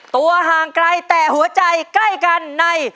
ตัวห่างไกลแต่หัวใจใกล้กันใน